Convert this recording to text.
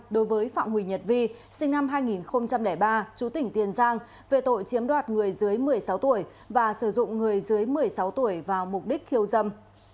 đối với phạm huỳnh nhật vi sinh năm hai nghìn ba chú tỉnh tiền giang về tội chiếm đoạt người dưới một mươi sáu tuổi và sử dụng người dưới một mươi sáu tuổi vào mục đích khiêu dâm